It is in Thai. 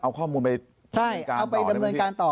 เอาข้อมูลไปดำเนินการต่อ